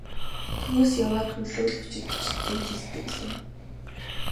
Төвөөс яваа төлөөлөгчид ч тэгж хэлдэг л юм.